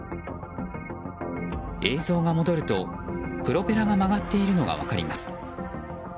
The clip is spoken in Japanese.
映像が戻ると、プロペラが曲がっているのが分かります。